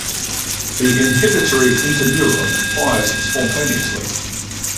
The inhibitory interneuron fires spontaneously.